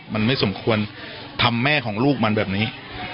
มันไม่สมควรทำแม่ของลูกมันแบบนี้